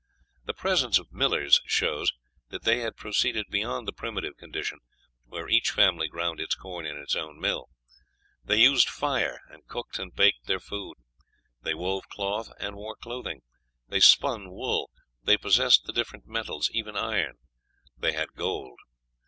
The presence of millers shows that they had proceeded beyond the primitive condition where each family ground its corn in its own mill. They used fire, and cooked and baked their food; they wove cloth and wore clothing; they spun wool; they possessed the different metals, even iron: they had gold.